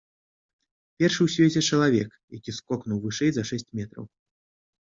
Першы ў свеце чалавек, які скокнуў вышэй за шэсць метраў.